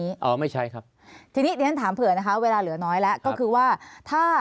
อ๋อไม่ใช่ครับทีนี้เดี๋ยวฉันถามเผื่อนะคะเวลาเหลือน้อยแล้วก็คือว่าถ้า